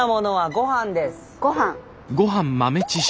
ごはん。